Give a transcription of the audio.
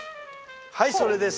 はいそれです。